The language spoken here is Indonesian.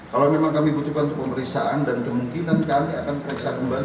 kalau memang kami butuhkan untuk pemeriksaan dan kemungkinan kami akan periksa kembali